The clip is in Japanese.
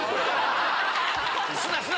すなすな！